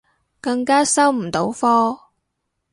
更加收唔到科